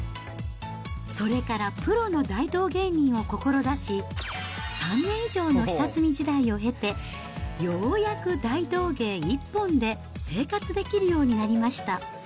それからプロの大道芸人を志し、３年以上の下積み時代を経て、ようやく大道芸一本で生活できるようになりました。